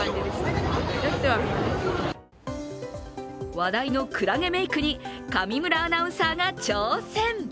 話題のくらげメイクに上村アナウンサーが挑戦。